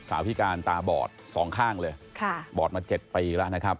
สาวพิการตาบอด๒ข้างเลยบอดมา๗ปีแล้วนะครับ